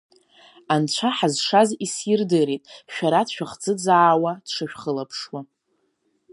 Анцәа ҳазшаз исирдырит, шәара дшәыхӡыӡаауа дшышәхылаԥшуа.